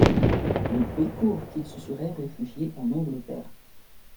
Le bruit court qu'il se serait réfugié en Angleterre.